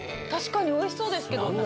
確かに美味しそうですけど。